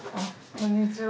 こんにちは。